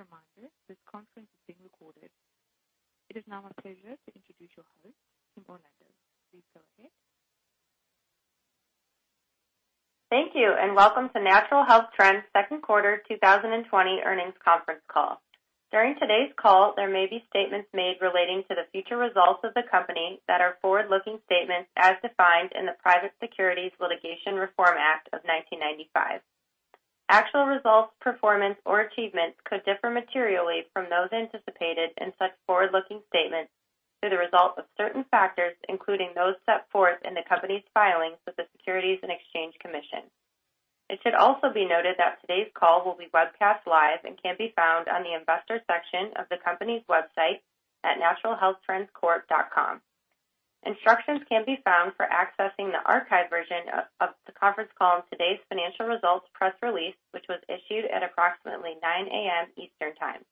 As a reminder, this conference is being recorded. It is now my pleasure to introduce your host, Kim Orlando. Please go ahead. Thank you, and welcome to Natural Health Trends' Second Quarter 2020 Earnings Conference Call. During today's call, there may be statements made relating to the future results of the company that are forward-looking statements as defined in the Private Securities Litigation Reform Act of 1995. Actual results, performance, or achievements could differ materially from those anticipated in such forward-looking statements due to the result of certain factors, including those set forth in the company's filings with the Securities and Exchange Commission. It should also be noted that today's call will be webcast live and can be found on the investors section of the company's website at naturalhealthtrendscorp.com. Instructions can be found for accessing the archived version of the conference call on today's financial results press release, which was issued at approximately 9:00 A.M. Eastern Time.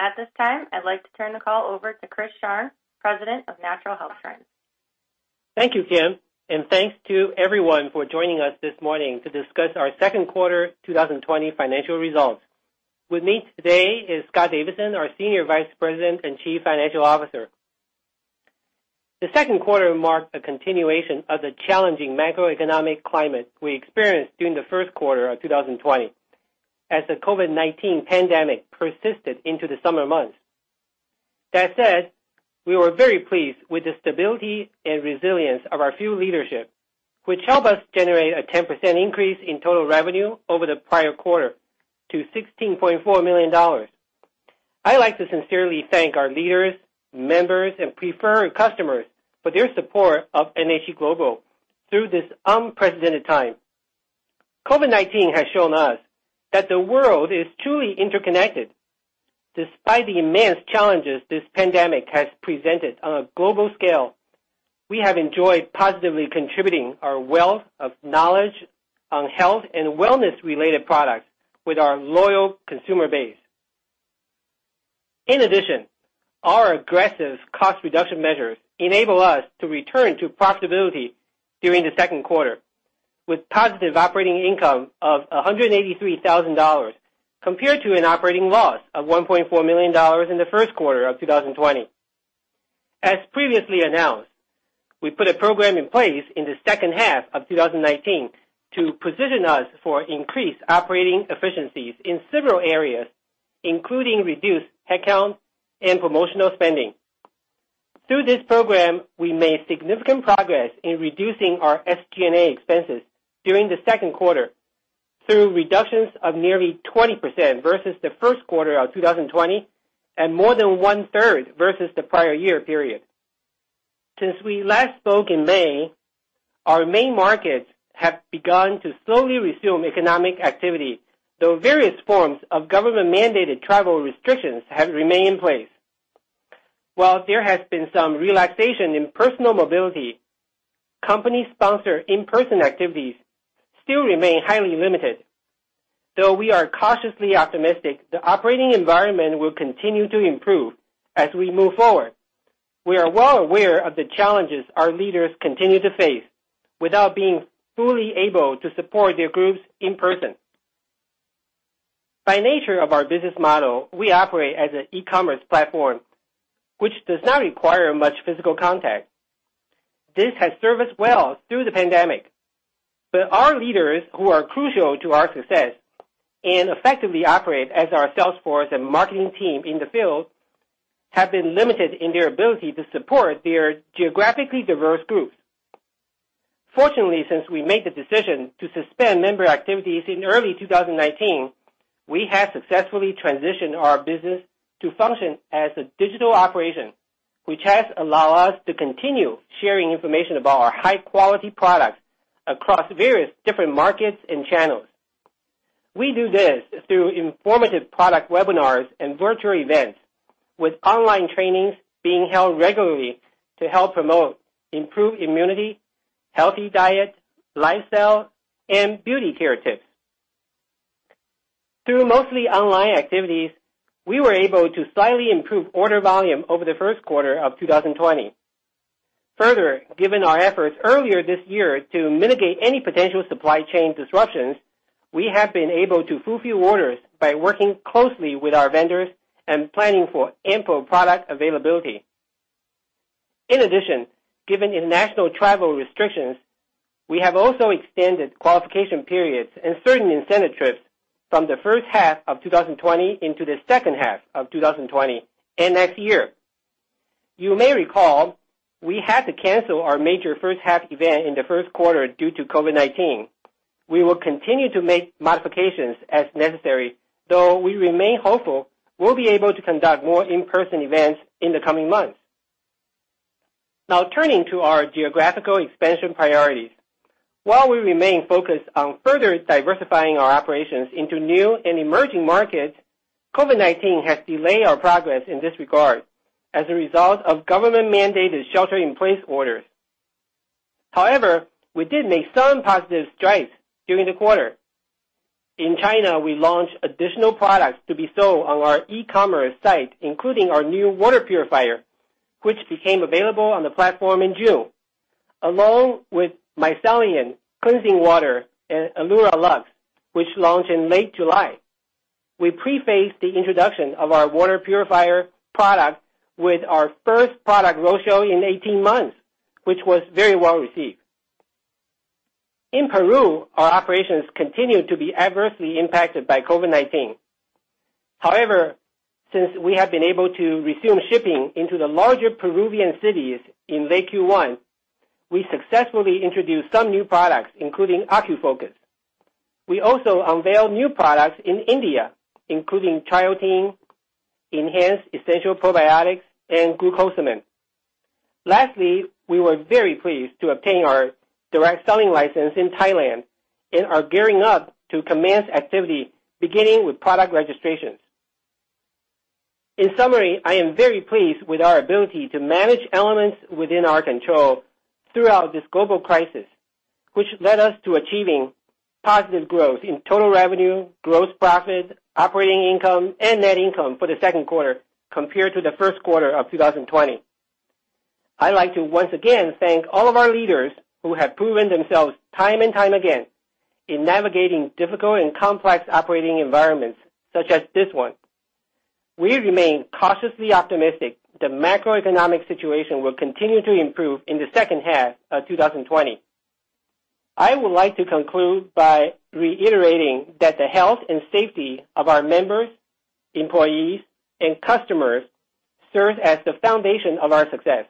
At this time, I'd like to turn the call over to Chris Sharng, President of Natural Health Trends. Thank you, Kim, and thanks to everyone for joining us this morning to discuss our second quarter 2020 financial results. With me today is Scott Davidson, our Senior Vice President and Chief Financial Officer. The second quarter marked a continuation of the challenging macroeconomic climate we experienced during the first quarter of 2020 as the COVID-19 pandemic persisted into the summer months. That said, we were very pleased with the stability and resilience of our field leadership, which helped us generate a 10% increase in total revenue over the prior quarter to $16.4 million. I'd like to sincerely thank our leaders, members, and preferred customers for their support of NHT Global through this unprecedented time. COVID-19 has shown us that the world is truly interconnected. Despite the immense challenges this pandemic has presented on a global scale, we have enjoyed positively contributing our wealth of knowledge on health and wellness-related products with our loyal consumer base. In addition, our aggressive cost reduction measures enable us to return to profitability during the second quarter, with positive operating income of $183,000, compared to an operating loss of $1.4 million in the first quarter of 2020. As previously announced, we put a program in place in the second half of 2019 to position us for increased operating efficiencies in several areas, including reduced headcount and promotional spending. Through this program, we made significant progress in reducing our SG&A expenses during the second quarter through reductions of nearly 20% versus the first quarter of 2020 and more than one-third versus the prior year period. Since we last spoke in May, our main markets have begun to slowly resume economic activity, though various forms of government-mandated travel restrictions have remained in place. While there has been some relaxation in personal mobility, company-sponsored in-person activities still remain highly limited. Though we are cautiously optimistic the operating environment will continue to improve as we move forward, we are well aware of the challenges our leaders continue to face without being fully able to support their groups in person. By nature of our business model, we operate as an e-commerce platform, which does not require much physical contact. This has served us well through the pandemic. Our leaders, who are crucial to our success and effectively operate as our sales force and marketing team in the field, have been limited in their ability to support their geographically diverse groups. Fortunately, since we made the decision to suspend member activities in early 2019, we have successfully transitioned our business to function as a digital operation, which has allowed us to continue sharing information about our high-quality products across various different markets and channels. We do this through informative product webinars and virtual events, with online trainings being held regularly to help promote improved immunity, healthy diet, lifestyle, and beauty care tips. Through mostly online activities, we were able to slightly improve order volume over the first quarter of 2020. Further, given our efforts earlier this year to mitigate any potential supply chain disruptions, we have been able to fulfill orders by working closely with our vendors and planning for ample product availability. Given international travel restrictions, we have also extended qualification periods and certain incentive trips from the first half of 2020 into the second half of 2020 and next year. You may recall we had to cancel our major first-half event in the first quarter due to COVID-19. We will continue to make modifications as necessary, though we remain hopeful we'll be able to conduct more in-person events in the coming months. Turning to our geographical expansion priorities. While we remain focused on further diversifying our operations into new and emerging markets, COVID-19 has delayed our progress in this regard as a result of government-mandated shelter-in-place orders. We did make some positive strides during the quarter. In China, we launched additional products to be sold on our e-commerce site, including our new water purifier, which became available on the platform in June. Along with Micellar Cleansing Water and Alura Lux, which launched in late July, we prefaced the introduction of our water purifier product with our first product roadshow in 18 months, which was very well-received. In Peru, our operations continue to be adversely impacted by COVID-19. However, since we have been able to resume shipping into the larger Peruvian cities in late Q1, we successfully introduced some new products, including OcuFocus. We also unveiled new products in India, including Triotein, Enhanced Essential Probiotics, and glucosamine. Lastly, we were very pleased to obtain our direct selling license in Thailand and are gearing up to commence activity, beginning with product registrations. In summary, I am very pleased with our ability to manage elements within our control throughout this global crisis, which led us to achieving positive growth in total revenue, gross profit, operating income and net income for the second quarter compared to the first quarter of 2020. I'd like to once again thank all of our leaders who have proven themselves time and time again in navigating difficult and complex operating environments such as this one. We remain cautiously optimistic the macroeconomic situation will continue to improve in the second half of 2020. I would like to conclude by reiterating that the health and safety of our members, employees, and customers serves as the foundation of our success.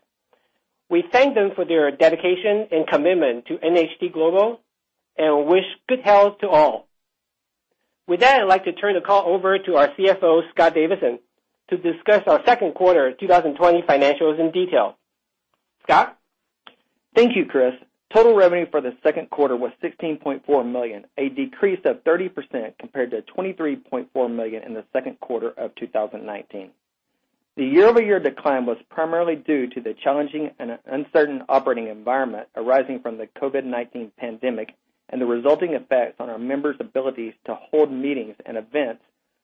We thank them for their dedication and commitment to NHT Global and wish good health to all. With that, I'd like to turn the call over to our CFO, Scott Davidson, to discuss our second quarter 2020 financials in detail. Scott? Thank you, Chris. Total revenue for the second quarter was $16.4 million, a decrease of 30% compared to $23.4 million in the second quarter of 2019. The year-over-year decline was primarily due to the challenging and uncertain operating environment arising from the COVID-19 pandemic and the resulting effects on our members' abilities to hold meetings and events,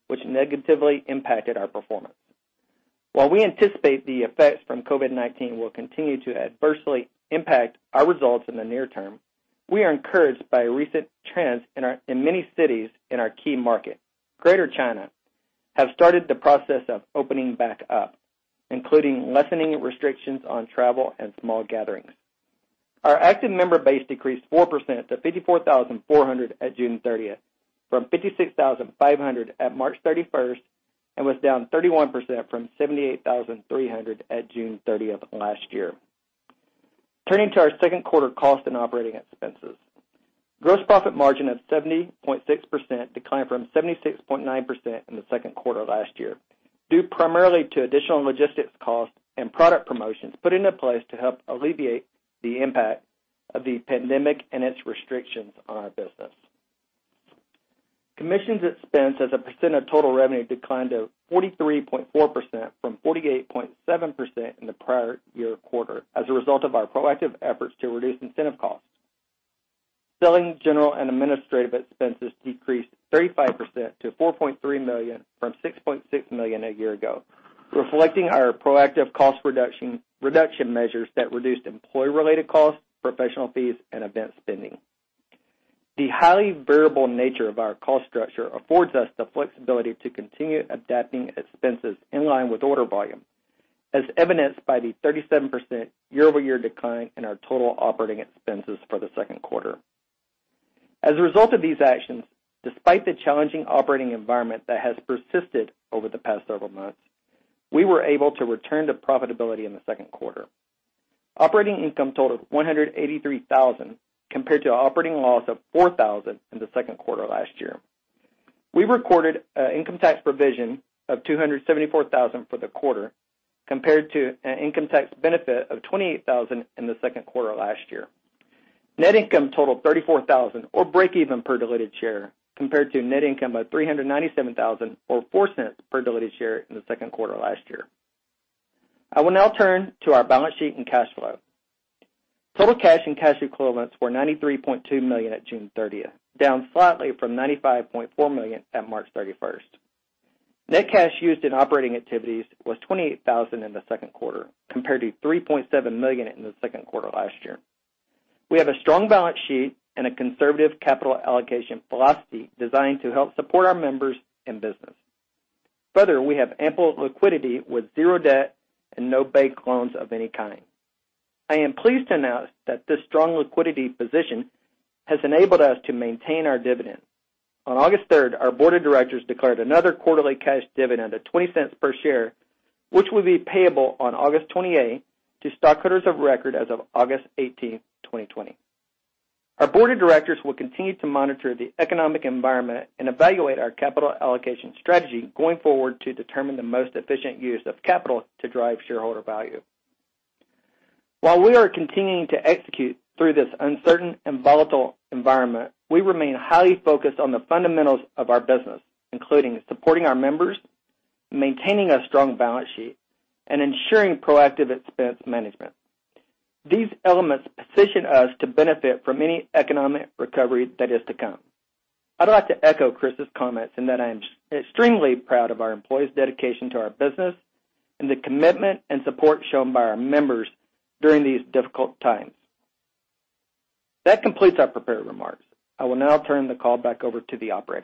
which negatively impacted our performance. While we anticipate the effects from COVID-19 will continue to adversely impact our results in the near term, we are encouraged by recent trends in many cities in our key market. Greater China have started the process of opening back up, including lessening restrictions on travel and small gatherings. Our active member base decreased 4% to 54,400 at June 30th, from 56,500 at March 31st, and was down 31% from 78,300 at June 30th of last year. Turning to our second quarter cost and operating expenses. Gross profit margin of 70.6% declined from 76.9% in the second quarter last year, due primarily to additional logistics costs and product promotions put into place to help alleviate the impact of the pandemic and its restrictions on our business. Commissions expense as a percent of total revenue declined to 43.4% from 48.7% in the prior year quarter as a result of our proactive efforts to reduce incentive costs. Selling, general and administrative expenses decreased 35% to $4.3 million from $6.6 million a year ago, reflecting our proactive cost reduction measures that reduced employee-related costs, professional fees and event spending. The highly variable nature of our cost structure affords us the flexibility to continue adapting expenses in line with order volume, as evidenced by the 37% year-over-year decline in our total operating expenses for the second quarter. As a result of these actions, despite the challenging operating environment that has persisted over the past several months, we were able to return to profitability in the second quarter. Operating income totaled $183,000 compared to operating loss of $4,000 in the second quarter last year. We recorded an income tax provision of $274,000 for the quarter, compared to an income tax benefit of $28,000 in the second quarter last year. Net income totaled $34,000 or breakeven per diluted share, compared to net income of $397,000 or $0.04 per diluted share in the second quarter last year. I will now turn to our balance sheet and cash flow. Total cash and cash equivalents were $93.2 million at June 30th, down slightly from $95.4 million at March 31st. Net cash used in operating activities was $28,000 in the second quarter, compared to $3.7 million in the second quarter last year. We have a strong balance sheet and a conservative capital allocation philosophy designed to help support our members and business. Further, we have ample liquidity with zero debt and no bank loans of any kind. I am pleased to announce that this strong liquidity position has enabled us to maintain our dividend. On August 3rd, our board of directors declared another quarterly cash dividend of $0.20 per share, which will be payable on August 28th to stockholders of record as of August 18th, 2020. Our board of directors will continue to monitor the economic environment and evaluate our capital allocation strategy going forward to determine the most efficient use of capital to drive shareholder value. While we are continuing to execute through this uncertain and volatile environment, we remain highly focused on the fundamentals of our business, including supporting our members, maintaining a strong balance sheet, and ensuring proactive expense management. These elements position us to benefit from any economic recovery that is to come. I'd like to echo Chris' comments in that I am extremely proud of our employees' dedication to our business and the commitment and support shown by our members during these difficult times. That completes our prepared remarks. I will now turn the call back over to the operator.